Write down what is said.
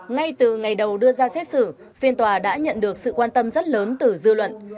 ngay từ ngày đầu đưa ra xét xử phiên tòa đã nhận được sự quan tâm rất lớn từ dư luận